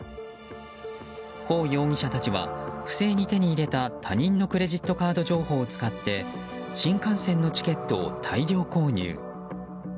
ホウ容疑者たちは不正に手に入れた他人のクレジットカード情報を使って新幹線のチケットを大量購入。